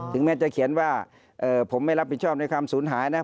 แม้จะเขียนว่าผมไม่รับผิดชอบในความสูญหายนะ